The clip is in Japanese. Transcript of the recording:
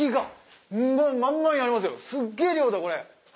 すっげぇ量だこれ。